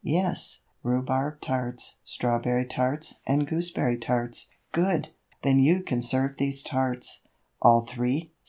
"Yes, rhubarb tarts, strawberry tarts, and gooseberry tarts." "Good. Then you can serve these tarts." "All three?"